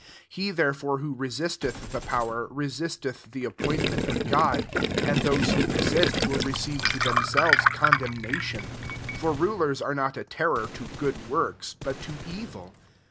2 He therefore who re sisteth the power, resisteth the appointment of God ; and those who resist will receive to them selves condemnation. 3 For ru lers are not a terror to good works, but to evil.